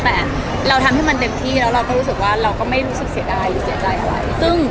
แต่เราทำให้มันเต็มที่แล้วเราก็รู้สึกว่าเราก็ไม่รู้สึกเสียดายหรือเสียใจอะไร